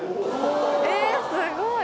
えすごい！